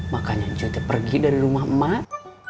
makanya kita pergi dari rumah emak